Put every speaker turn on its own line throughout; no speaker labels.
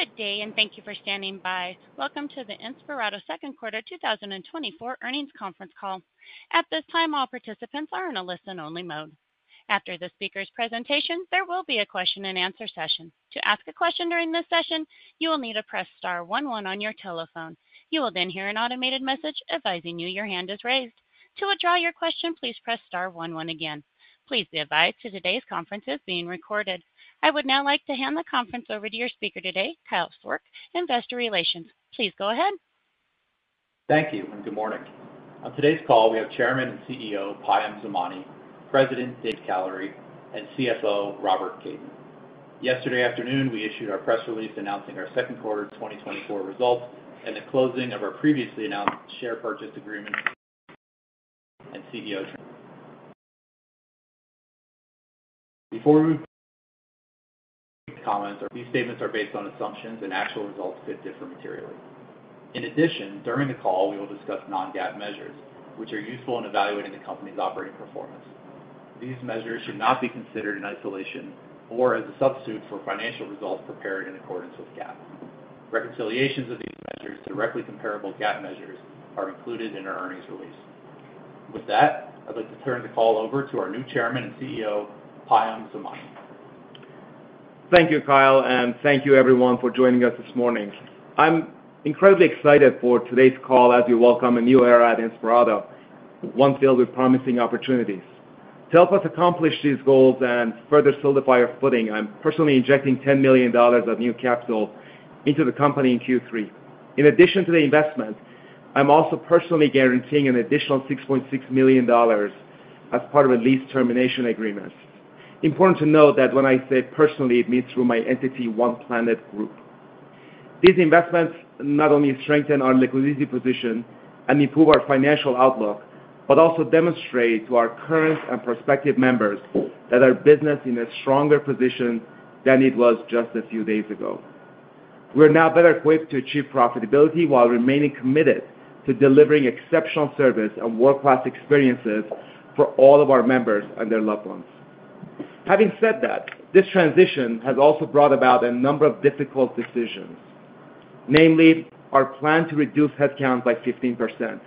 Good day, and thank you for standing by. Welcome to the Inspirato Second Quarter 2024 Earnings Conference Call. At this time, all participants are in a listen-only mode. After the speaker's presentation, there will be a question-and-answer session. To ask a question during this session, you will need to press star one one on your telephone. You will then hear an automated message advising you your hand is raised. To withdraw your question, please press star one one again. Please be advised today's conference is being recorded. I would now like to hand the conference over to your speaker today, Kyle Sourk, Investor Relations. Please go ahead.
Thank you, and good morning. On today's call, we have Chairman and CEO, Payam Zamani, President, David Kallery, and CFO, Robert Kaiden. Yesterday afternoon, we issued our press release announcing our second quarter 2024 results and the closing of our previously announced share purchase agreement. Before we move comments, these statements are based on assumptions, and actual results could differ materially. In addition, during the call, we will discuss non-GAAP measures, which are useful in evaluating the company's operating performance. These measures should not be considered in isolation or as a substitute for financial results prepared in accordance with GAAP. Reconciliations of these measures to directly comparable GAAP measures are included in our earnings release. With that, I'd like to turn the call over to our new chairman and CEO, Payam Zamani.
Thank you, Kyle, and thank you everyone for joining us this morning. I'm incredibly excited for today's call as we welcome a new era at Inspirato, one filled with promising opportunities. To help us accomplish these goals and further solidify our footing, I'm personally injecting $10 million of new capital into the company in Q3. In addition to the investment, I'm also personally guaranteeing an additional $6.6 million as part of a lease termination agreement. Important to note that when I say personally, it means through my entity, One Planet Group. These investments not only strengthen our liquidity position and improve our financial outlook, but also demonstrate to our current and prospective members that our business is in a stronger position than it was just a few days ago. We're now better equipped to achieve profitability while remaining committed to delivering exceptional service and world-class experiences for all of our members and their loved ones. Having said that, this transition has also brought about a number of difficult decisions, namely our plan to reduce headcount by 15%.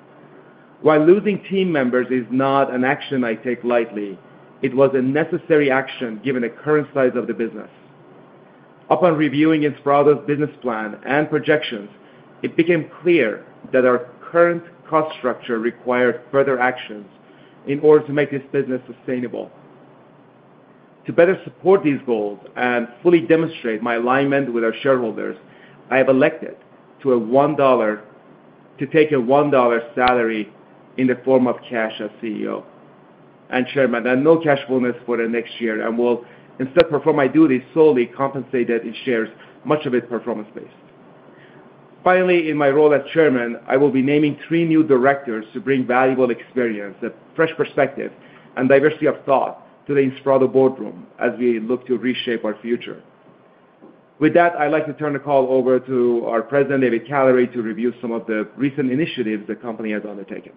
While losing team members is not an action I take lightly, it was a necessary action given the current size of the business. Upon reviewing Inspirato's business plan and projections, it became clear that our current cost structure required further actions in order to make this business sustainable. To better support these goals and fully demonstrate my alignment with our shareholders, I have elected to take a $1 salary in the form of cash as CEO and chairman, and no cash bonus for the next year, and will instead perform my duties solely compensated in shares, much of it performance-based. Finally, in my role as chairman, I will be naming three new directors to bring valuable experience, a fresh perspective, and diversity of thought to the Inspirato boardroom as we look to reshape our future. With that, I'd like to turn the call over to our president, David Kallery, to review some of the recent initiatives the company has undertaken.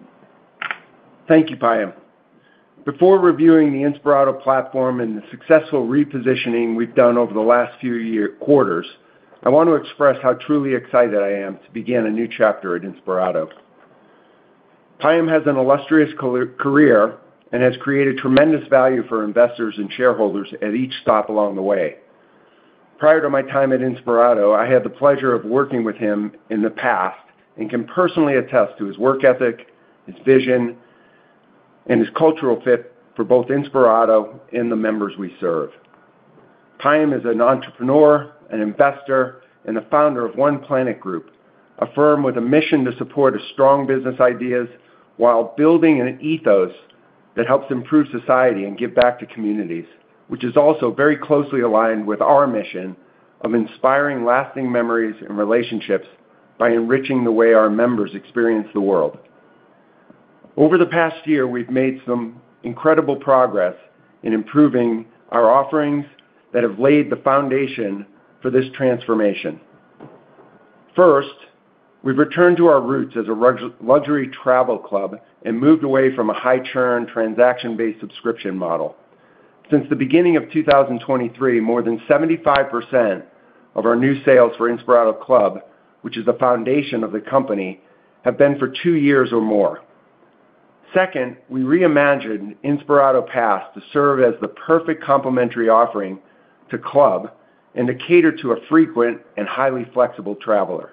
Thank you, Payam. Before reviewing the Inspirato platform and the successful repositioning we've done over the last few year quarters, I want to express how truly excited I am to begin a new chapter at Inspirato. Payam has an illustrious career and has created tremendous value for investors and shareholders at each stop along the way. Prior to my time at Inspirato, I had the pleasure of working with him in the past and can personally attest to his work ethic, his vision, and his cultural fit for both Inspirato and the members we serve. Payam is an entrepreneur, an investor, and the founder of One Planet Group, a firm with a mission to support strong business ideas while building an ethos that helps improve society and give back to communities, which is also very closely aligned with our mission of inspiring lasting memories and relationships by enriching the way our members experience the world. Over the past year, we've made some incredible progress in improving our offerings that have laid the foundation for this transformation. First, we've returned to our roots as a luxury travel club and moved away from a high churn, transaction-based subscription model. Since the beginning of 2023, more than 75% of our new sales for Inspirato Club, which is the foundation of the company, have been for two years or more. Second, we reimagined Inspirato Pass to serve as the perfect complementary offering to Club and to cater to a frequent and highly flexible traveler.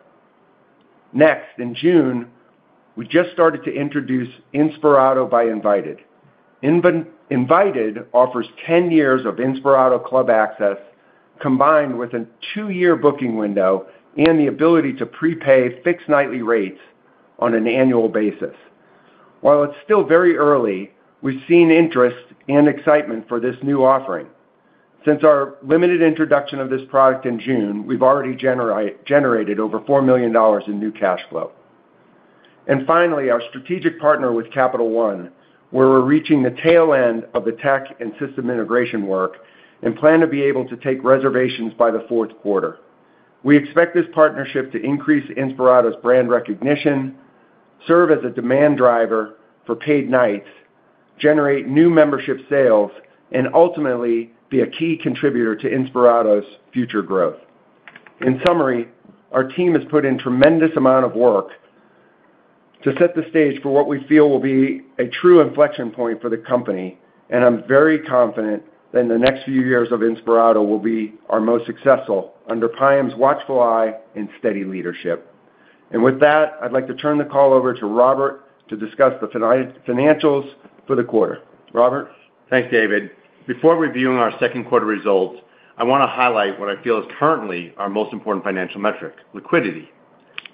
Next, in June, we just started to introduce Inspirato Invited. Invited offers 10 years of Inspirato Club access, combined with a 2-year booking window and the ability to prepay fixed nightly rates on an annual basis. While it's still very early, we've seen interest and excitement for this new offering. Since our limited introduction of this product in June, we've already generated over $4 million in new cash flow. And finally, our strategic partner with Capital One, where we're reaching the tail end of the tech and system integration work and plan to be able to take reservations by the fourth quarter. We expect this partnership to increase Inspirato's brand recognition. serve as a demand driver for paid nights, generate new membership sales, and ultimately, be a key contributor to Inspirato's future growth. In summary, our team has put in tremendous amount of work to set the stage for what we feel will be a true inflection point for the company, and I'm very confident that in the next few years of Inspirato will be our most successful under Payam's watchful eye and steady leadership. And with that, I'd like to turn the call over to Robert to discuss the financials for the quarter. Robert?
Thanks, David. Before reviewing our second quarter results, I wanna highlight what I feel is currently our most important financial metric, liquidity.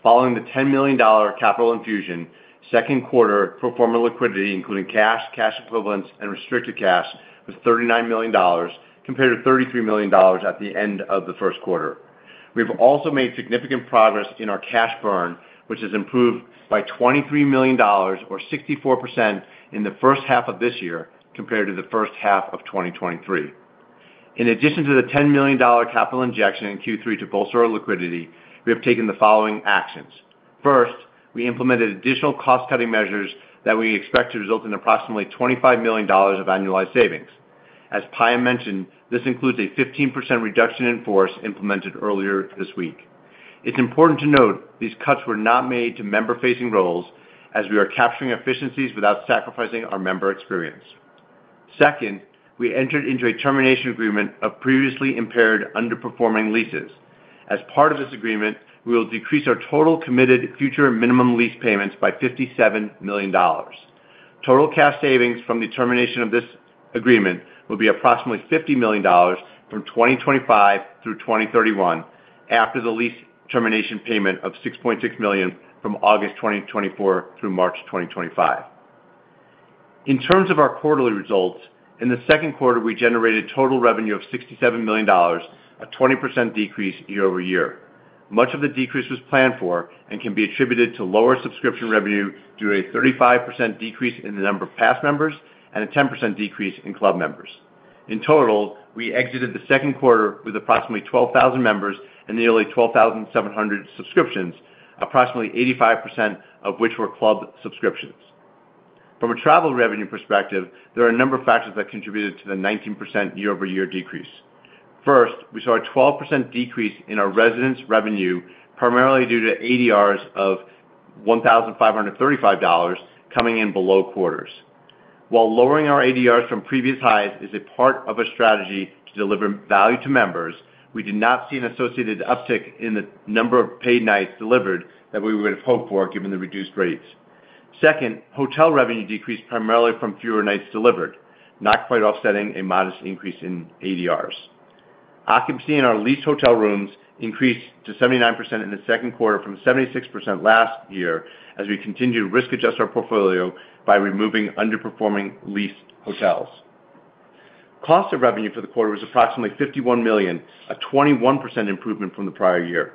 Following the $10 million capital infusion, second quarter pro forma liquidity, including cash, cash equivalents, and restricted cash, was $39 million, compared to $33 million at the end of the first quarter. We've also made significant progress in our cash burn, which has improved by $23 million or 64% in the first half of this year compared to the first half of 2023. In addition to the $10 million capital injection in Q3 to bolster our liquidity, we have taken the following actions: First, we implemented additional cost-cutting measures that we expect to result in approximately $25 million of annualized savings. As Payam mentioned, this includes a 15% reduction in force implemented earlier this week. It's important to note, these cuts were not made to member-facing roles, as we are capturing efficiencies without sacrificing our member experience. Second, we entered into a termination agreement of previously impaired underperforming leases. As part of this agreement, we will decrease our total committed future minimum lease payments by $57 million. Total cash savings from the termination of this agreement will be approximately $50 million from 2025 through 2031, after the lease termination payment of $6.6 million from August 2024 through March 2025. In terms of our quarterly results, in the second quarter, we generated total revenue of $67 million, a 20% decrease year-over-year. Much of the decrease was planned for and can be attributed to lower subscription revenue, due to a 35% decrease in the number of pass members and a 10% decrease in club members. In total, we exited the second quarter with approximately 12,000 members and nearly 12,700 subscriptions, approximately 85% of which were club subscriptions. From a travel revenue perspective, there are a number of factors that contributed to the 19% year-over-year decrease. First, we saw a 12% decrease in our residence revenue, primarily due to ADRs of $1,535 coming in below quarters. While lowering our ADRs from previous highs is a part of a strategy to deliver value to members, we did not see an associated uptick in the number of paid nights delivered that we would have hoped for, given the reduced rates. Second, hotel revenue decreased primarily from fewer nights delivered, not quite offsetting a modest increase in ADRs. Occupancy in our leased hotel rooms increased to 79% in the second quarter from 76% last year, as we continued to risk-adjust our portfolio by removing underperforming leased hotels. Cost of revenue for the quarter was approximately $51 million, a 21% improvement from the prior year.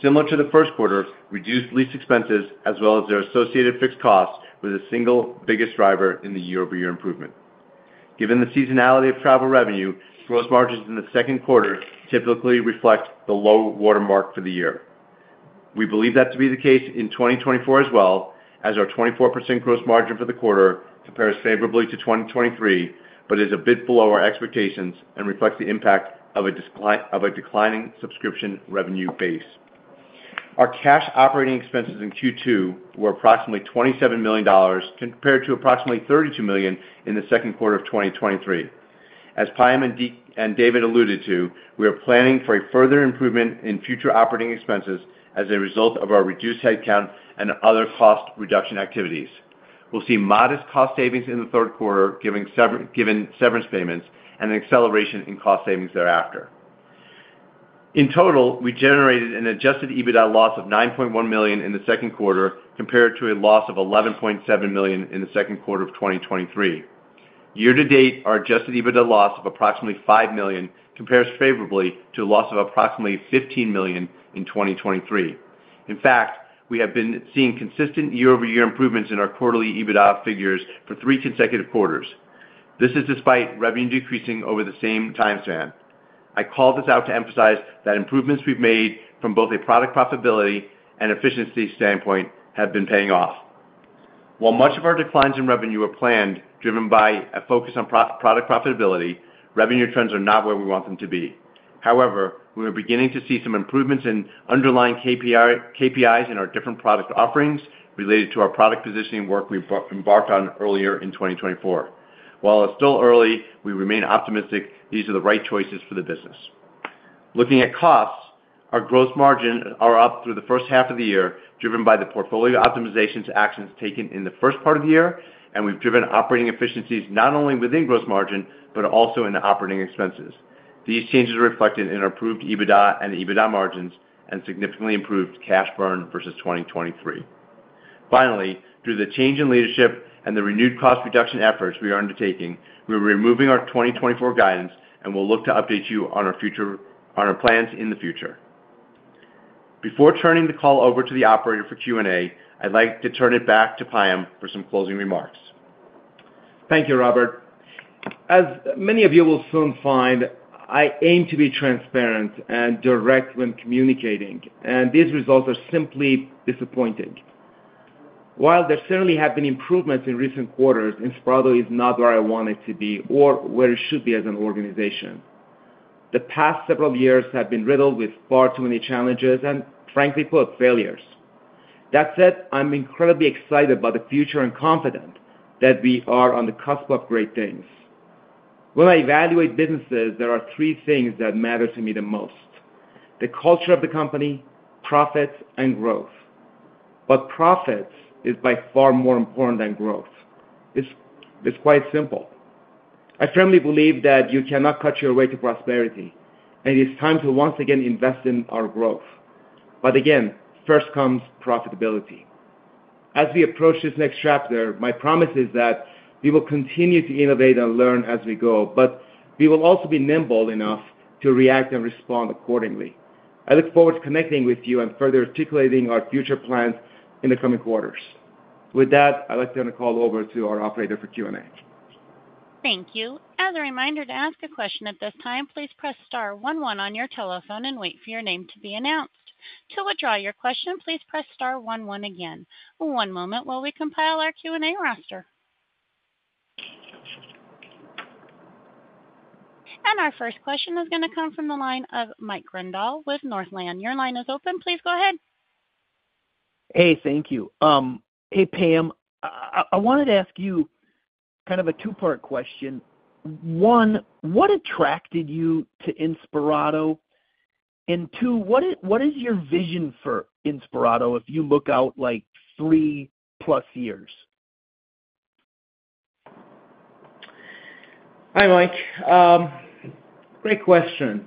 Similar to the first quarter, reduced lease expenses, as well as their associated fixed costs, was the single biggest driver in the year-over-year improvement. Given the seasonality of travel revenue, gross margins in the second quarter typically reflect the low watermark for the year. We believe that to be the case in 2024 as well, as our 24% gross margin for the quarter compares favorably to 2023, but is a bit below our expectations and reflects the impact of a decline of a declining subscription revenue base. Our cash operating expenses in Q2 were approximately $27 million, compared to approximately $32 million in the second quarter of 2023. As Payam and David alluded to, we are planning for a further improvement in future operating expenses as a result of our reduced headcount and other cost reduction activities. We'll see modest cost savings in the third quarter, given severance payments and an acceleration in cost savings thereafter. In total, we generated an adjusted EBITDA loss of $9.1 million in the second quarter, compared to a loss of $11.7 million in the second quarter of 2023. Year to date, our adjusted EBITDA loss of approximately $5 million compares favorably to a loss of approximately $15 million in 2023. In fact, we have been seeing consistent year-over-year improvements in our quarterly EBITDA figures for three consecutive quarters. This is despite revenue decreasing over the same time span. I call this out to emphasize that improvements we've made from both a product profitability and efficiency standpoint have been paying off. While much of our declines in revenue are planned, driven by a focus on product profitability, revenue trends are not where we want them to be. However, we are beginning to see some improvements in underlying KPIs in our different product offerings related to our product positioning work we embarked on earlier in 2024. While it's still early, we remain optimistic these are the right choices for the business. Looking at costs, our Gross Margin are up through the first half of the year, driven by the portfolio optimization actions taken in the first part of the year, and we've driven operating efficiencies not only within Gross Margin, but also in the operating expenses. These changes are reflected in our improved EBITDA and EBITDA margins and significantly improved cash burn versus 2023. Finally, through the change in leadership and the renewed cost reduction efforts we are undertaking, we are removing our 2024 guidance and will look to update you on our future - on our plans in the future. Before turning the call over to the operator for Q&A, I'd like to turn it back to Payam for some closing remarks....
Thank you, Robert. As many of you will soon find, I aim to be transparent and direct when communicating, and these results are simply disappointing. While there certainly have been improvements in recent quarters, Inspirato is not where I want it to be or where it should be as an organization. The past several years have been riddled with far too many challenges and, frankly put, failures. That said, I'm incredibly excited about the future and confident that we are on the cusp of great things. When I evaluate businesses, there are three things that matter to me the most: the culture of the company, profits, and growth. But profits is by far more important than growth. It's, it's quite simple. I firmly believe that you cannot cut your way to prosperity, and it's time to once again invest in our growth. But again, first comes profitability. As we approach this next chapter, my promise is that we will continue to innovate and learn as we go, but we will also be nimble enough to react and respond accordingly. I look forward to connecting with you and further articulating our future plans in the coming quarters. With that, I'd like to turn the call over to our operator for Q&A.
Thank you. As a reminder, to ask a question at this time, please press star one one on your telephone and wait for your name to be announced. To withdraw your question, please press star one one again. One moment while we compile our Q&A roster. And our first question is gonna come from the line of Mike Grondahl with Northland. Your line is open. Please go ahead.
Hey, thank you. Hey, Payam. I wanted to ask you kind of a two-part question. One, what attracted you to Inspirato? And two, what is your vision for Inspirato if you look out, like, 3+ years?
Hi, Mike. Great question.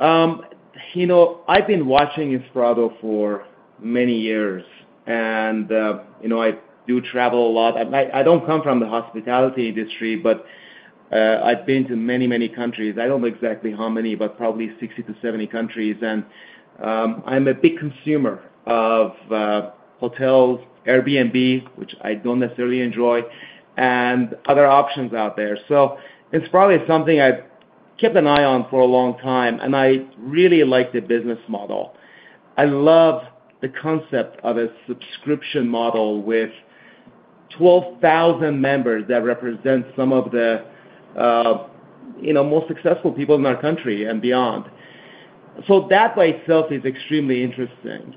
You know, I've been watching Inspirato for many years, and you know, I do travel a lot. I don't come from the hospitality industry, but I've been to many, many countries. I don't know exactly how many, but probably 60-70 countries. I'm a big consumer of hotels, Airbnb, which I don't necessarily enjoy, and other options out there. Inspirato is something I've kept an eye on for a long time, and I really like the business model. I love the concept of a subscription model with 12,000 members that represent some of the you know, most successful people in our country and beyond. That by itself is extremely interesting.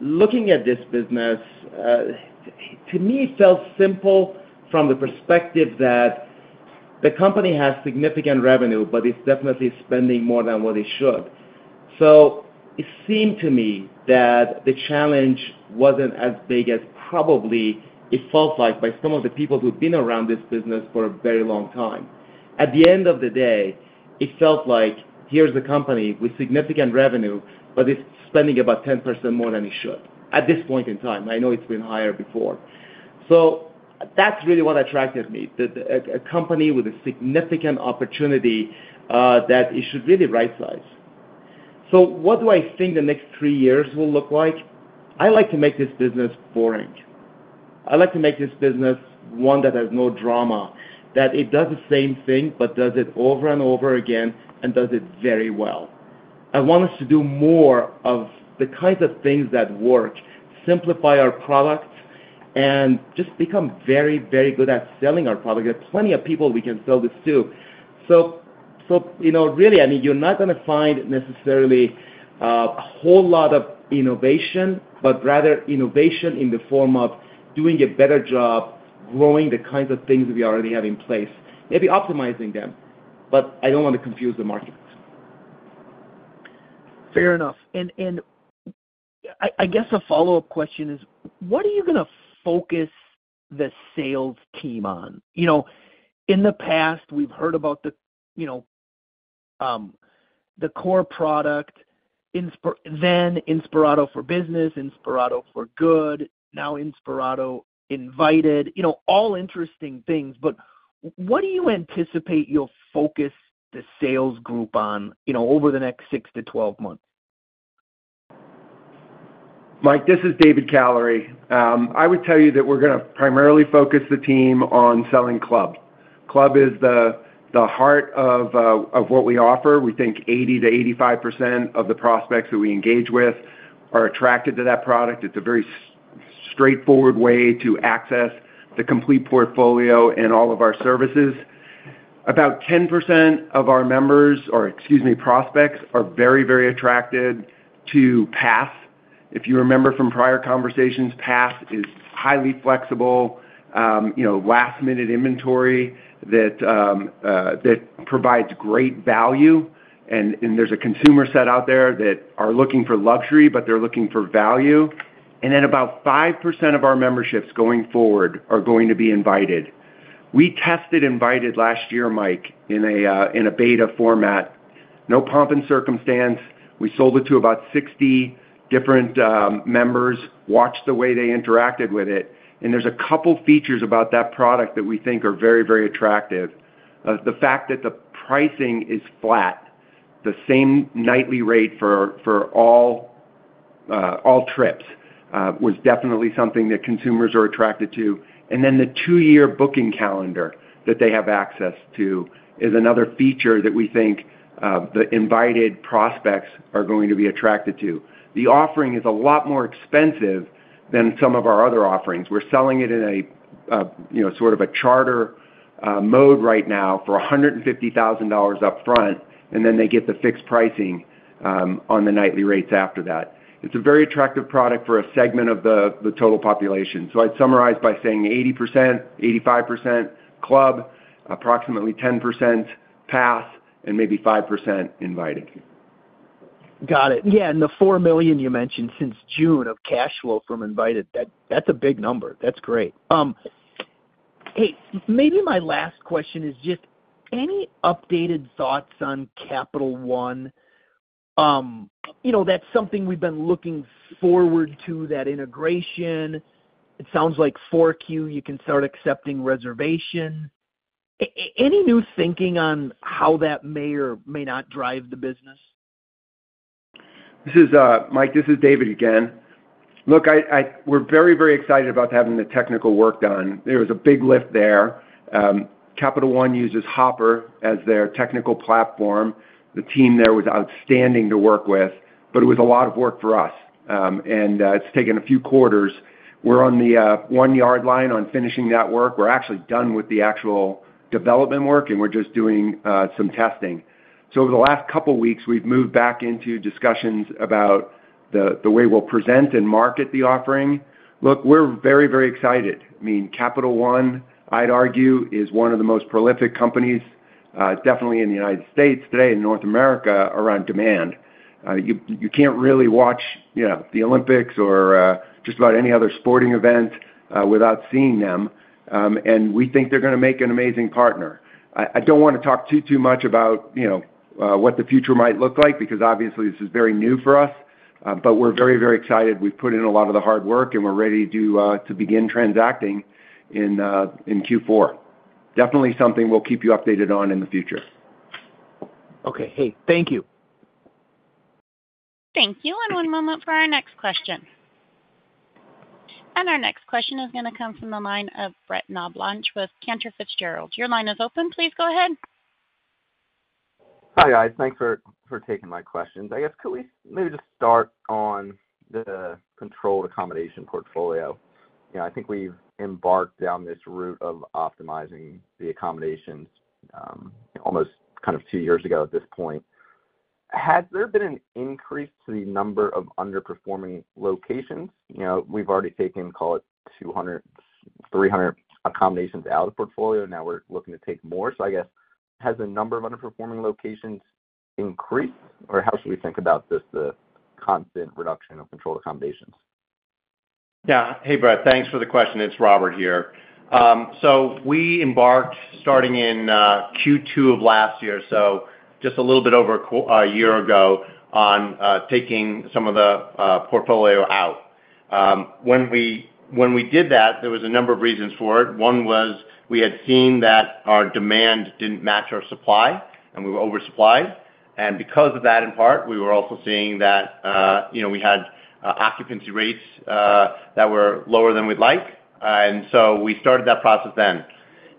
Looking at this business, to me, it felt simple from the perspective that the company has significant revenue, but it's definitely spending more than what it should. It seemed to me that the challenge wasn't as big as probably it felt like by some of the people who've been around this business for a very long time. At the end of the day, it felt like, here's a company with significant revenue, but it's spending about 10% more than it should, at this point in time. I know it's been higher before. That's really what attracted me, the company with a significant opportunity that it should really right-size. What do I think the next three years will look like? I like to make this business boring. I like to make this business one that has no drama, that it does the same thing, but does it over and over again and does it very well. I want us to do more of the kinds of things that work, simplify our products, and just become very, very good at selling our product. There are plenty of people we can sell this to. So, so, you know, really, I mean, you're not gonna find necessarily a whole lot of innovation, but rather innovation in the form of doing a better job growing the kinds of things we already have in place, maybe optimizing them, but I don't want to confuse the markets.
Fair enough. And I guess a follow-up question is: what are you gonna focus the sales team on? You know, in the past, we've heard about the, you know, the core product, then Inspirato for Business, Inspirato for Good, now Inspirato Invited. You know, all interesting things, but what do you anticipate you'll focus the sales group on, you know, over the next 6-12 months?
Mike, this is David Kallery. I would tell you that we're gonna primarily focus the team on selling Club. Club is the heart of what we offer. We think 80%-85% of the prospects who we engage with are attracted to that product. It's a very straightforward way to access the complete portfolio and all of our services. About 10% of our members, or excuse me, prospects, are very, very attracted to Pass. If you remember from prior conversations, Pass is highly flexible, you know, last-minute inventory that provides great value. And there's a consumer set out there that are looking for luxury, but they're looking for value. And then about 5% of our memberships going forward are going to be Invited. We tested Invited last year, Mike, in a beta format. No pomp and circumstance. We sold it to about 60 different members, watched the way they interacted with it, and there's a couple features about that product that we think are very, very attractive. The fact that the pricing is flat, the same nightly rate for, for all-...
all trips was definitely something that consumers are attracted to. And then the two-year booking calendar that they have access to is another feature that we think, the invited prospects are going to be attracted to. The offering is a lot more expensive than some of our other offerings. We're selling it in a, you know, sort of a charter mode right now for $150,000 upfront, and then they get the fixed pricing on the nightly rates after that. It's a very attractive product for a segment of the total population. So I'd summarize by saying 80%, 85% club, approximately 10% pass, and maybe 5% invited.
Got it. Yeah, and the $4 million you mentioned since June of cash flow from Invited, that's a big number. That's great. Hey, maybe my last question is just any updated thoughts on Capital One? You know, that's something we've been looking forward to, that integration. It sounds like 4Q, you can start accepting reservation. Any new thinking on how that may or may not drive the business?
This is, Mike, this is David again. Look, we're very, very excited about having the technical work done. There was a big lift there. Capital One uses Hopper as their technical platform. The team there was outstanding to work with, but it was a lot of work for us, and it's taken a few quarters. We're on the one-yard line on finishing that work. We're actually done with the actual development work, and we're just doing some testing. So over the last couple of weeks, we've moved back into discussions about the way we'll present and market the offering. Look, we're very, very excited. I mean, Capital One, I'd argue, is one of the most prolific companies, definitely in the United States today, in North America, around demand. You can't really watch, you know, the Olympics or just about any other sporting event without seeing them, and we think they're gonna make an amazing partner. I don't want to talk too much about, you know, what the future might look like, because obviously, this is very new for us, but we're very, very excited. We've put in a lot of the hard work, and we're ready to begin transacting in Q4. Definitely something we'll keep you updated on in the future.
Okay. Hey, thank you.
Thank you, one moment for our next question. Our next question is gonna come from the line of Brett Knoblauch with Cantor Fitzgerald. Your line is open. Please go ahead.
Hi, guys. Thanks for taking my questions. I guess, could we maybe just start on the controlled accommodation portfolio? You know, I think we've embarked down this route of optimizing the accommodations, almost kind of two years ago at this point. Has there been an increase to the number of underperforming locations? You know, we've already taken, call it 200-300 accommodations out of the portfolio, now we're looking to take more. So I guess, has the number of underperforming locations increased, or how should we think about just the constant reduction of controlled accommodations?
Yeah. Hey, Brett. Thanks for the question. It's Robert here. So we embarked starting in Q2 of last year, so just a little bit over a year ago on taking some of the portfolio out. When we did that, there was a number of reasons for it. One was we had seen that our demand didn't match our supply, and we were oversupplied. And because of that, in part, we were also seeing that, you know, we had occupancy rates that were lower than we'd like. And so we started that process then.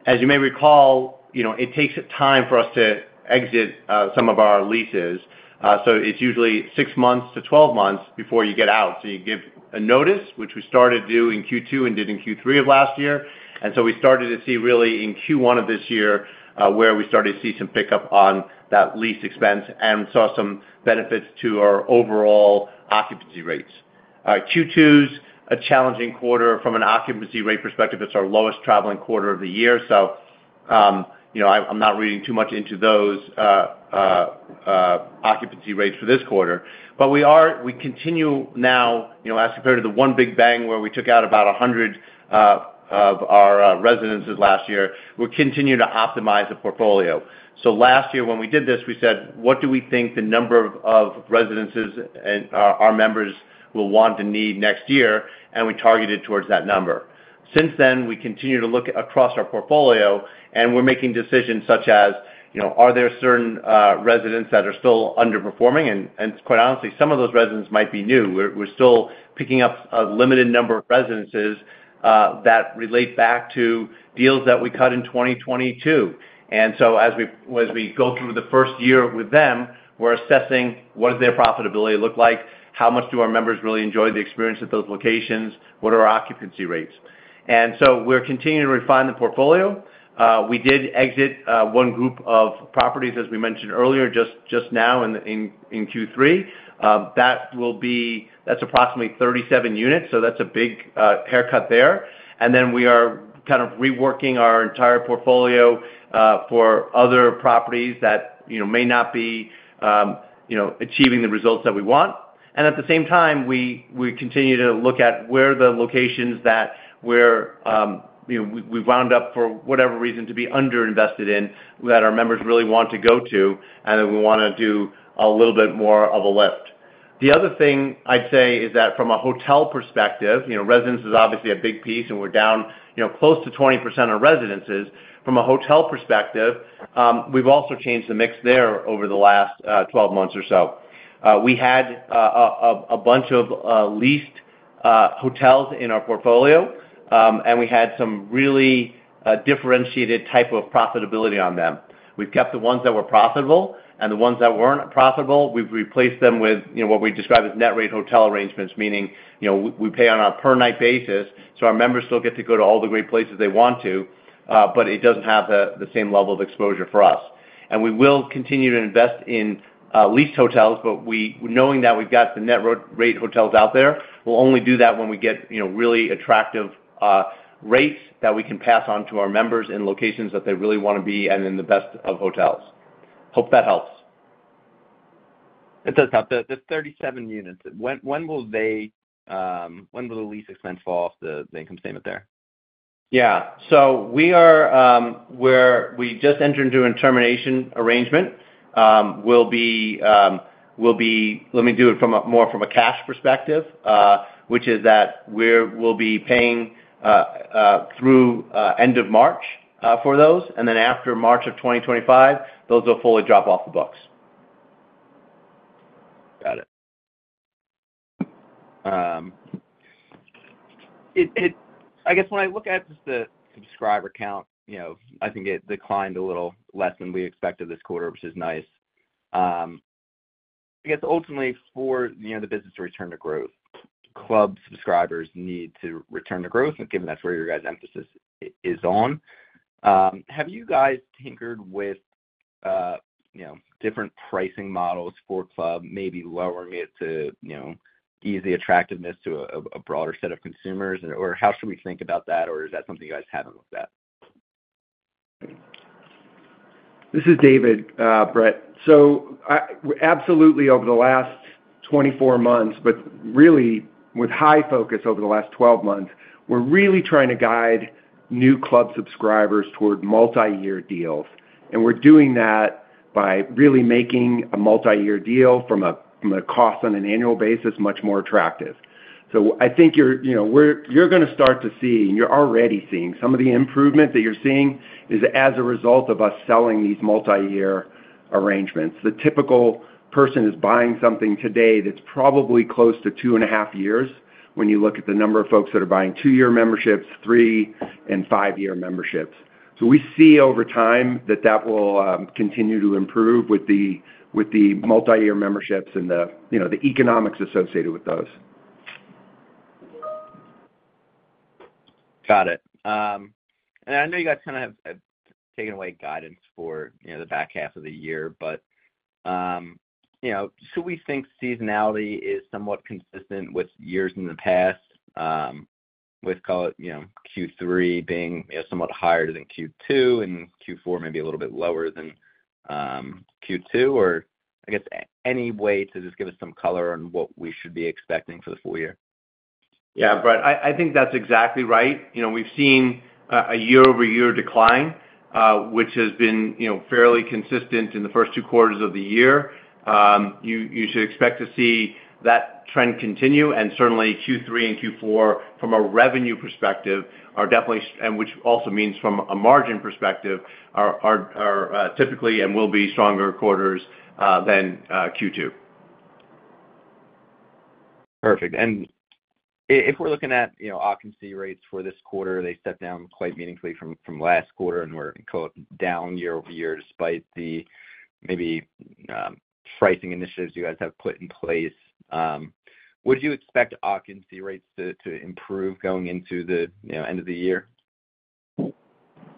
As you may recall, you know, it takes time for us to exit some of our leases. So it's usually 6 months to 12 months before you get out. So you give a notice, which we started doing Q2 and did in Q3 of last year. And so we started to see really in Q1 of this year, where we started to see some pickup on that lease expense and saw some benefits to our overall occupancy rates. Q2's a challenging quarter from an occupancy rate perspective. It's our lowest traveling quarter of the year. So, you know, I'm, I'm not reading too much into those, occupancy rates for this quarter. But we are, we continue now, you know, as compared to the one big bang, where we took out about 100, of our, residences last year, we're continuing to optimize the portfolio. So last year, when we did this, we said: What do we think the number of residences and our members will want and need next year? And we targeted towards that number. Since then, we continue to look across our portfolio, and we're making decisions such as, you know, are there certain residences that are still underperforming? And quite honestly, some of those residences might be new. We're still picking up a limited number of residences that relate back to deals that we cut in 2022. And so as we go through the first year with them, we're assessing what does their profitability look like? How much do our members really enjoy the experience at those locations? What are our occupancy rates? And so we're continuing to refine the portfolio. We did exit one group of properties, as we mentioned earlier, just now in Q3. That will be... That's approximately 37 units, so that's a big haircut there. And then we are kind of reworking our entire portfolio for other properties that, you know, may not be, you know, achieving the results that we want. And at the same time, we continue to look at where the locations that we're, you know, we wound up for whatever reason, to be underinvested in, that our members really want to go to, and that we wanna do a little bit more of a lift. The other thing I'd say is that from a hotel perspective, you know, residences is obviously a big piece, and we're down, you know, close to 20% on residences. From a hotel perspective, we've also changed the mix there over the last 12 months or so. We had a bunch of leased hotels in our portfolio, and we had some really differentiated type of profitability on them. We've kept the ones that were profitable, and the ones that weren't profitable, we've replaced them with, you know, what we describe as net rate hotel Arrangements, meaning, you know, we pay on a per-night basis, so our members still get to go to all the great places they want to, but it doesn't have the same level of exposure for us. We will continue to invest in leased hotels, but knowing that we've got the net rate hotels out there, we'll only do that when we get, you know, really attractive rates that we can pass on to our members in locations that they really wanna be and in the best of hotels. Hope that helps.
It does help. The 37 units, when will the lease expense fall off the income statement there?
Yeah. So we just entered into a termination arrangement. Let me do it from a more cash perspective, which is that we'll be paying through end of March for those, and then after March of 2025, those will fully drop off the books.
Got it. I guess when I look at just the subscriber count, you know, I think it declined a little less than we expected this quarter, which is nice. I guess ultimately for, you know, the business to return to growth, Club subscribers need to return to growth, and given that's where your guys' emphasis is on, have you guys tinkered with, you know, different pricing models for Club, maybe lowering it to, you know, ease the attractiveness to a broader set of consumers? Or how should we think about that, or is that something you guys haven't looked at?
This is David, Brett. So, absolutely, over the last 24 months, but really with high focus over the last 12 months, we're really trying to guide new club subscribers toward multiyear deals, and we're doing that by really making a multiyear deal from a cost on an annual basis much more attractive. So I think you're, you know, you're gonna start to see, and you're already seeing some of the improvement that you're seeing is as a result of us selling these multiyear arrangements. The typical person is buying something today that's probably close to 2.5 years when you look at the number of folks that are buying 2-year memberships, 3- and 5-year memberships. So we see over time that that will continue to improve with the multiyear memberships and the, you know, the economics associated with those.
Got it. And I know you guys kind of have taken away guidance for, you know, the back half of the year, but, you know, should we think seasonality is somewhat consistent with years in the past, with, call it, you know, Q3 being, you know, somewhat higher than Q2 and Q4 maybe a little bit lower than, Q2? Or I guess any way to just give us some color on what we should be expecting for the full year?
Yeah, Brett, I think that's exactly right. You know, we've seen a year-over-year decline, which has been, you know, fairly consistent in the first two quarters of the year. You should expect to see that trend continue, and certainly Q3 and Q4, from a revenue perspective, are definitely, and which also means from a margin perspective, are typically and will be stronger quarters than Q2.
Perfect. And if we're looking at, you know, occupancy rates for this quarter, they stepped down quite meaningfully from from last quarter and were, call it, down year-over-year, despite the maybe pricing initiatives you guys have put in place. Would you expect occupancy rates to improve going into the, you know, end of the year?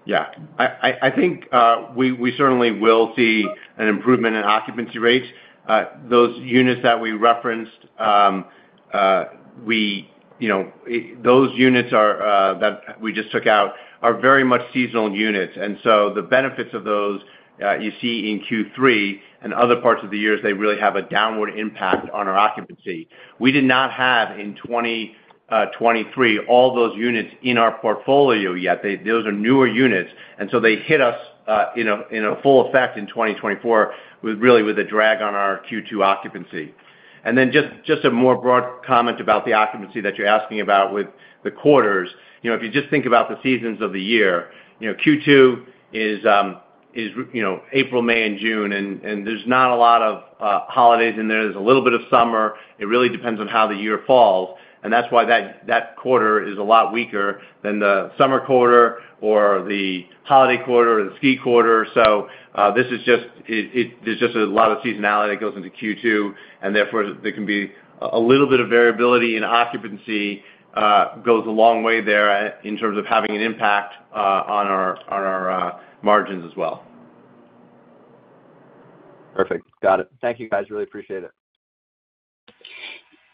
Yeah. I think we certainly will see an improvement in occupancy rates. Those units that we referenced, we, you know, those units that we just took out are very much seasonal units, and so the benefits of those, you see in Q3 and other parts of the years, they really have a downward impact on our occupancy. We did not have, in 2023, all those units in our portfolio yet. Those are newer units, and so they hit us in a full effect in 2024, with really with a drag on our Q2 occupancy. And then just a more broad comment about the occupancy that you're asking about with the quarters. You know, if you just think about the seasons of the year, you know, Q2 is, is, you know, April, May and June, and, and there's not a lot of holidays in there. There's a little bit of summer. It really depends on how the year falls, and that's why that, that quarter is a lot weaker than the summer quarter or the holiday quarter or the ski quarter. So, this is just... It, it, there's just a lot of seasonality that goes into Q2, and therefore, there can be a, a little bit of variability in occupancy, goes a long way there in terms of having an impact, on our, on our, margins as well.
Perfect. Got it. Thank you, guys. Really appreciate it.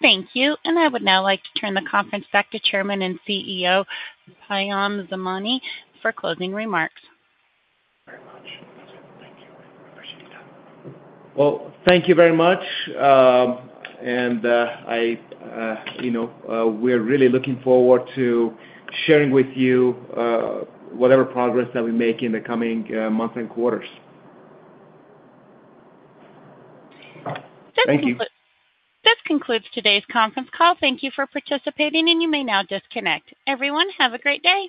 Thank you, and I would now like to turn the conference back to Chairman and CEO, Payam Zamani, for closing remarks.
Very much. Thank you. Appreciate that. Well, thank you very much. And you know, we're really looking forward to sharing with you whatever progress that we make in the coming months and quarters. Thank you.
This concludes today's conference call. Thank you for participating, and you may now disconnect. Everyone, have a great day.